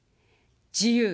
「自由。